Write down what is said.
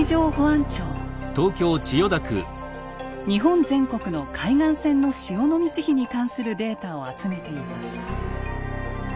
日本全国の海岸線の潮の満ち干に関するデータを集めています。